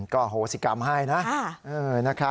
ก็โหสิกรรมให้นะ